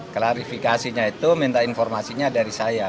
klarifikasinya itu minta informasinya dari saya